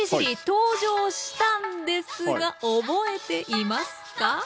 登場したんですが覚えていますか？